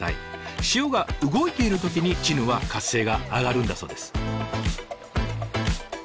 潮が動いている時にチヌは活性が上がるんだそうです。